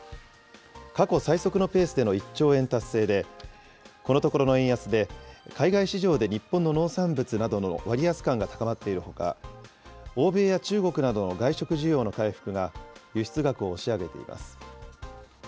過去最速のペースでの１兆円達成で、このところの円安で、海外市場で日本の農産物などの割安感が高まっているほか、欧米や中国などの外食需要の回復が輸出額を押し上げています。